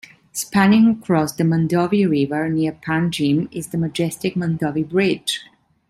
Spanning across the Mandovi River near Panjim is the majestic Mandovi Bridge.